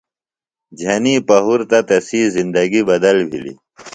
جھنیۡ پہُرتہ تسی زندگی بدل بِھلیۡ۔